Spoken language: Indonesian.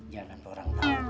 jangan nanti orang tau